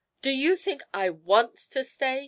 'Do you think I want to stay?'